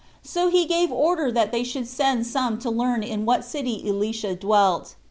So he gave order that they should send some to learn in what city Elisha dwelt.